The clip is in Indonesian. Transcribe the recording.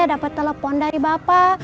dapet telepon dari bapak